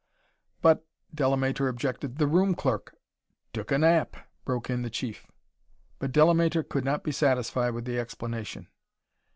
"But," Delamater objected, "the room clerk "" took a nap," broke in the Chief. But Delamater could not be satisfied with the explanation.